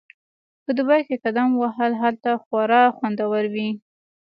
په دوبي کې قدم وهل هلته خورا خوندور وي